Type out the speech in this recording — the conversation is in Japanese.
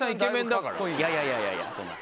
いやいやいやいやそんな。